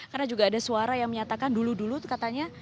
karena juga ada suara yang menyatakan dulu dulu katanya